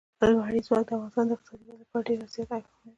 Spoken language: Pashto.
لمریز ځواک د افغانستان د اقتصادي ودې لپاره ډېر زیات اهمیت او ارزښت لري.